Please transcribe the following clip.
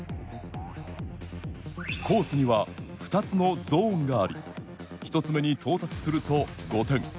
コースには２つのゾーンがあり１つ目に到達すると５点。